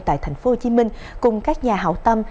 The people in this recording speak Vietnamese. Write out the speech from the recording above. tại tp hcm cùng các nhà hậu tâm